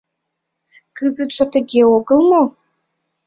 Кызытше тыге огыл мо?..